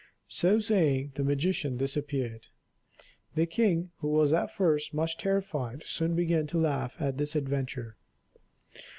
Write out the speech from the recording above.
So saying, the magician disappeared. The king, who was at first much terrified, soon began to laugh at this adventure.